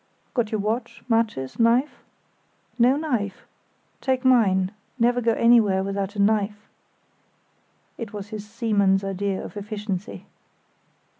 Got your watch, matches, knife? No knife? Take mine; never go anywhere without a knife." (It was his seaman's idea of efficiency.)